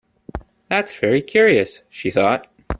‘That’s very curious!’ she thought.